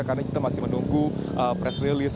karena kita masih menunggu press release